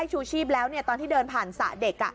พอได้ชูชีพแล้วเนี่ยตอนที่เดินผ่านสระเด็ก